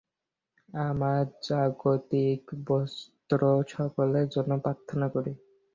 আমরা জাগতিক বস্তুসকলের জন্য প্রার্থনা করি।